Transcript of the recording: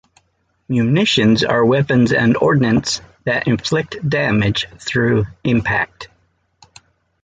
Munitions are weapons and ordnance that inflict damage through impact.